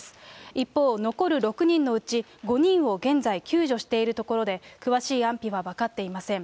一方、残る６人のうち、５人を現在、救助しているところで、詳しい安否は分かっていません。